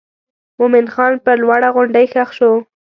مومن خان پر لوړه غونډۍ ښخ شو.